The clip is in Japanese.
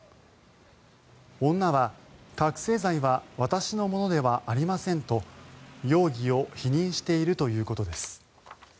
女は、覚醒剤は私のものではありませんと容疑を否認しているということです。